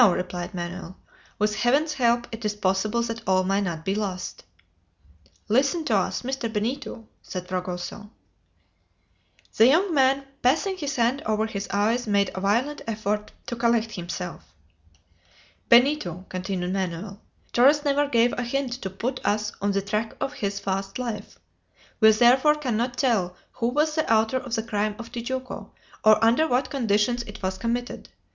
replied Manoel. "With heaven's help it is possible that all may not be lost!" "Listen to us, Mr. Benito," said Fragoso. The young man, passing his hand over his eyes, made a violent effort to collect himself. "Benito," continued Manoel, "Torres never gave a hint to put us on the track of his past life. We therefore cannot tell who was the author of the crime of Tijuco, or under what conditions it was committed.